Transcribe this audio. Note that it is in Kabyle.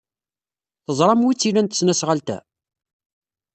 Teẓram wi tt-ilan tesnasɣalt-a?